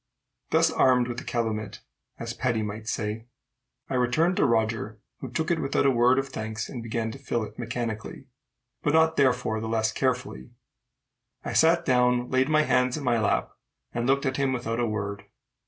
Thus armed with the calumet, as Paddy might say, I returned to Roger, who took it without a word of thanks, and began to fill it mechanically, but not therefore the less carefully. I sat down, laid my hands in my lap, and looked at him without a word.